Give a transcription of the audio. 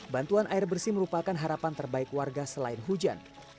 bantuan air bersih merupakan harapan terbaik warga selain hujan